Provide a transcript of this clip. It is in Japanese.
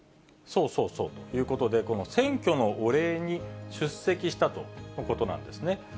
そうそうそうということで、この選挙のお礼に出席したということなんですね。